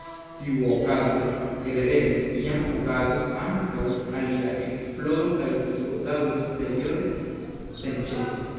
Tiuokaze, kredeble, iam okazos ankaŭ alia eksplodo kaj tio daŭros periode, senĉese.